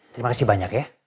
terima kasih banyak ya